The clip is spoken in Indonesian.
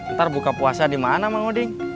nanti buka puasa di mana mang odeng